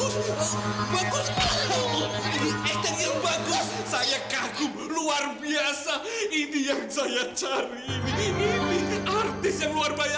sampai jumpa di video selanjutnya